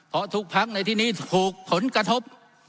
เพราะทุกพักในที่นี้ถูกผลกระทบ